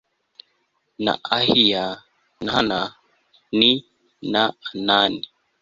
na Ahiya na Han ni na Anani